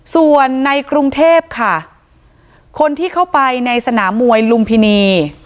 ส่วนในกรุงเทพค่ะคนที่เข้าไปในสนามมวยลุมพินี